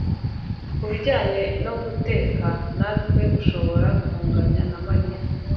Ku bijyanye no guteka ntawe ushobora kunganya na Mariya